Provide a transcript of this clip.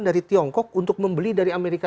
dari tiongkok untuk membeli dari amerika